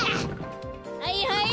はいはい！